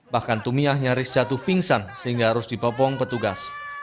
bahkan tumiah nyaris jatuh pingsan sehingga harus dipopong petugas